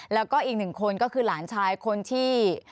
แล้วก็อีกหนึ่งคนก็คือหลานชายคนที่